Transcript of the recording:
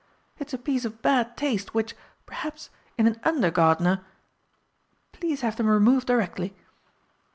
It's a piece of bad taste which, perhaps in an under gardener please have them removed directly.